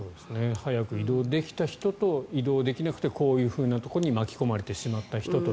早く移動できた人と移動できなくてこういうふうなところに巻き込まれてしまった人と。